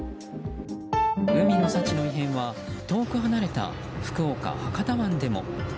海の幸の異変は、遠く離れた福岡・博多湾でも。